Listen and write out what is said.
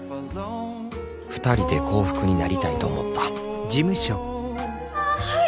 ２人で幸福になりたいと思ったああはい！